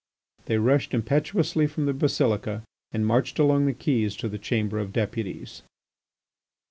They rushed impetuously from the basilica and marched along the quays to the Chamber of Deputies.